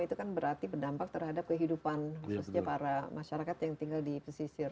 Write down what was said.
itu kan berarti berdampak terhadap kehidupan khususnya para masyarakat yang tinggal di pesisir